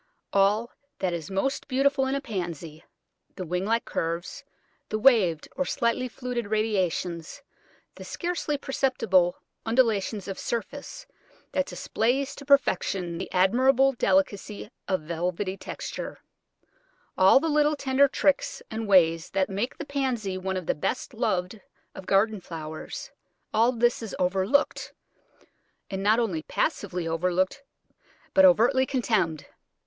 All that is most beautiful in a Pansy, the wing like curves, the waved or slightly fluted radiations, the scarcely perceptible undulation of surface that displays to perfection the admirable delicacy of velvety texture; all the little tender tricks and ways that make the Pansy one of the best loved of garden flowers; all this is overlooked, and not only passively overlooked, but overtly contemned.